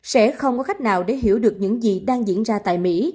sẽ không có khách nào để hiểu được những gì đang diễn ra tại mỹ